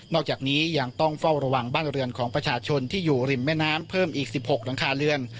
อกจากนี้ยังต้องเฝ้าระวังบ้านเรือนของประชาชนที่อยู่ริมแม่น้ำเพิ่มอีก๑๖หลังคาเรือน